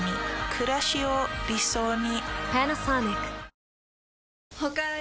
くらしを理想に。